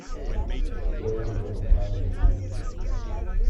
When is The Grip of Iron playing